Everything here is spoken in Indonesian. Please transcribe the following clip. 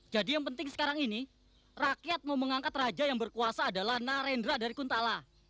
jadi yang penting sekarang ini rakyat mau mengangkat raja yang berkuasa adalah narendra dari kuntala